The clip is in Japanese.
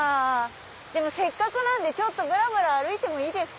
でもせっかくなんでちょっとぶらぶら歩いてもいいですか？